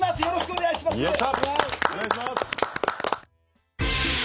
よろしくお願いします。